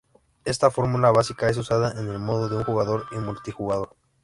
Esta fórmula básica es usada en el modo de un jugador y multijugador.